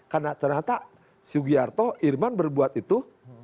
karena ternyata sugiarto irman berbuat itu